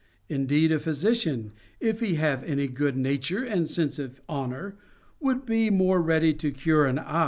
Indeed a physician, if he have any good nature and sense of honor, would be more ready to cure an eye VOL.